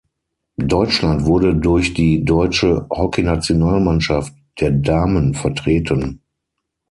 Deutschland wurde durch die Deutsche Hockeynationalmannschaft der Damen vertreten.